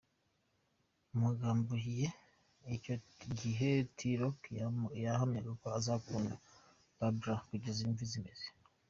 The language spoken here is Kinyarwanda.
Mu Magambo ye icyo gihe T Rock yahamyaga ko azakunda Babla kugeza imvi zimeze.